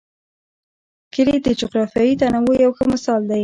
کلي د جغرافیوي تنوع یو ښه مثال دی.